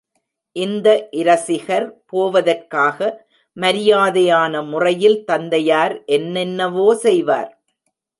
இந்த இரசிகர் போவதற்காக மரியாதையான முறையில் தந்தையார் என்னென்னவோ செய்வார்.